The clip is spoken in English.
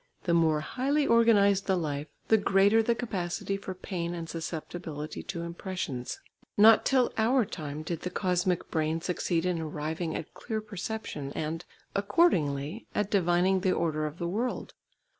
The more highly organised the life, the greater the capacity for pain and susceptibility to impressions. Not till our time did the cosmic brain succeed in arriving at clear perception and, accordingly, at divining the order of the world.